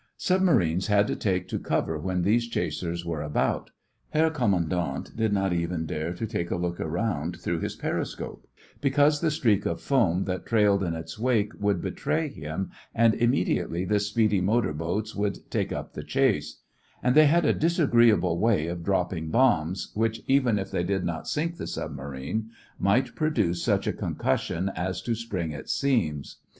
Submarines had to take to cover when these chasers were about. Herr Kommandant did not even dare to take a look around through his periscope, because the streak of foam that trailed in its wake would betray him and immediately the speedy motor boats would take up the chase; and they had a disagreeable way of dropping bombs which, even if they did not sink the submarine, might produce such a concussion as to spring its seams.